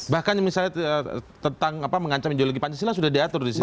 bahkan misalnya tentang apa mengancam ideologi pancasila sudah diatur di situ